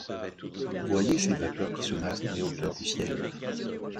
Voyez ces vapeurs qui se massent dans les hauteurs du ciel.